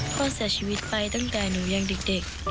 พ่อเสียชีวิตไปตั้งแต่หนูยังเด็ก